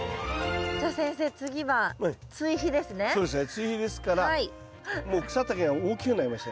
追肥ですからもう草丈が大きくなりましたよね。